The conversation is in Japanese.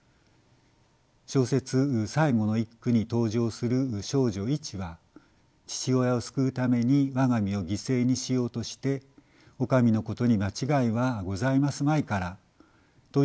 小説「最後の一句」に登場する少女いちは父親を救うために我が身を犠牲にしようとしてお上のことに間違いはございますまいからという一句を奉行に投げかけます。